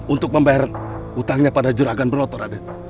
untuk membayar utangnya pada juragan broto raden